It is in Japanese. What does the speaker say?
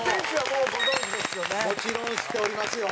もちろん知っておりますよ。